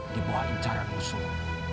dibuah linjaran musuh